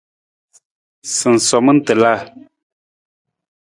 Sinsoman tiila.